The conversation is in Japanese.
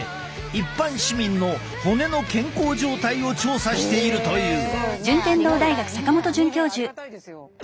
一般市民の骨の健康状態を調査しているという。